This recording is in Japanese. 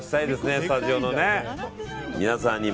スタジオの皆さんにも。